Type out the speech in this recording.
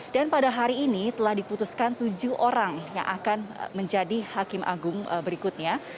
dan pada hari ini telah diputuskan tujuh orang yang akan menjadi hakim agung berikutnya